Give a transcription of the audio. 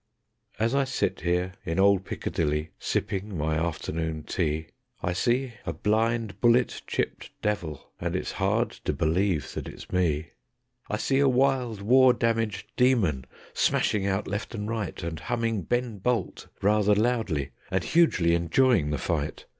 As I sit here in old Piccadilly, sipping my afternoon tea, I see a blind, bullet chipped devil, and it's hard to believe that it's me; I see a wild, war damaged demon, smashing out left and right, And humming "Ben Bolt" rather loudly, and hugely enjoying the fight.